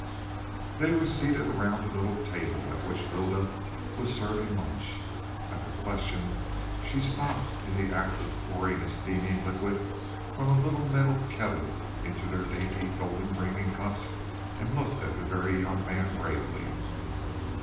They were seated around a little table, at which Lylda was serving lunch. At the question she stopped in the act of pouring a steaming liquid from a little metal kettle into their dainty golden drinking cups and looked at the Very Young Man gravely.